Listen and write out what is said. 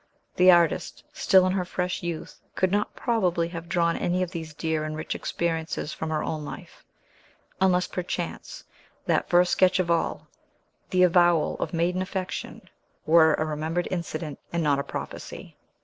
The artist, still in her fresh youth, could not probably have drawn any of these dear and rich experiences from her own life; unless, perchance, that first sketch of all, the avowal of maiden affection, were a remembered incident, and not a prophecy.